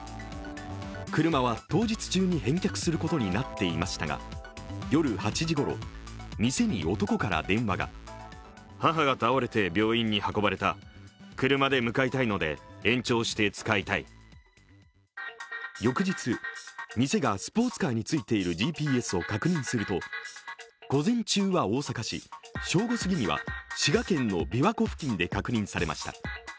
車は当日中に返却することになっていましたが夜８時ごろ、店に男から電話が翌日、店がスポーツカーに付いているＧＰＳを確認すると、午前中は大阪市、正午すぎには滋賀県のびわ湖付近で確認されました。